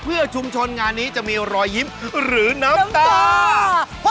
เพื่อชุมชนงานนี้จะมีรอยยิ้มหรือน้ำตา